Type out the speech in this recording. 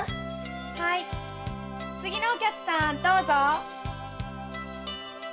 はい次のお客さんどうぞ。